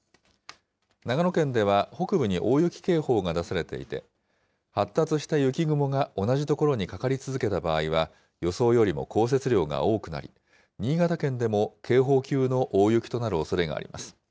長野県では北部に大雪警報が出されていて、発達した雪雲が同じ所にかかり続けた場合は予想よりも降雪量が多くなり、新潟県でも警報級の大雪となるおそれがあります。